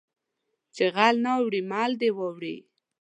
چې غل نه اوړي مال دې واوړي